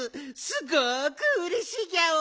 すごくうれしいギャオ。